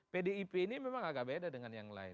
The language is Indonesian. pdip ini memang agak beda dengan yang lain